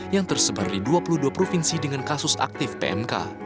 yang tersebar di dua puluh dua provinsi dengan kasus aktif pmk